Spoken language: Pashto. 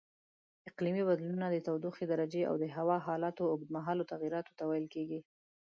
اقلیمي بدلونونه د تودوخې درجې او د هوا حالاتو اوږدمهالو تغییراتو ته ویل کېږي.